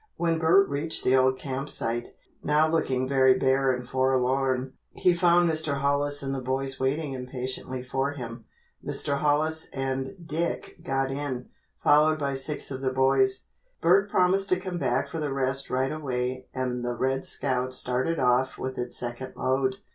When Bert reached the old camp site, now looking very bare and forlorn, he found Mr. Hollis and the boys waiting impatiently for him. Mr. Hollis and Dick got in, followed by six of the boys. Bert promised to come back for the rest right away and the "Red Scout" started off with its second load.